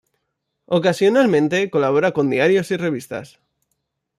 Ocasionalmente colabora con diarios y revistas.